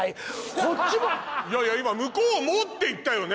いやいや今向こうもって言ったよね